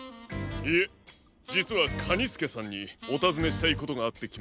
いえじつはカニスケさんにおたずねしたいことがあってきました。